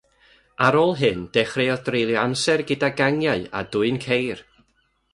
Ar ôl hyn, dechreuodd dreulio amser gyda gangiau a dwyn ceir.